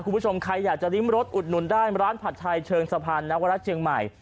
คุณผู้ชมใครอยากจะริ้มรถอุดหนุนได้ร้านผัดไทยเชิงสะพานนวรัฐเชียงใหม่